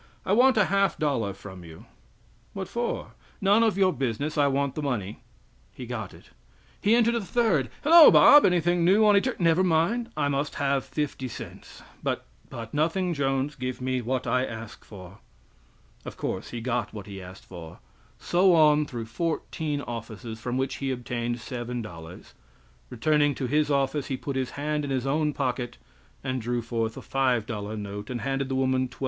"I want a half dollar from you!" "What for?" "None of your business I want the money." He got it. He entered a third. "Hello, Bob! Anything new on eter " "Never mind, I must have fifty cents!" "But " "But nothing, Jones, give me what I ask for." Of course he got what he asked for. So on through fourteen offices, from which he obtained $7. Returning to his office, he put his hand in his own pocket and drew forth a $5 note, and handed the woman $12.